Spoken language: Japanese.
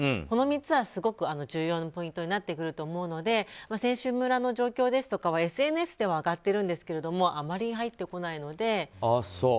この３つはすごく重要なポイントになってくると思いますので選手村の状況ですとかはＳＮＳで上がっているんですがあまり入ってこないので。